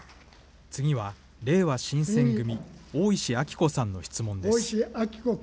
次はれいわ新選組、大石あきこさんの質問です。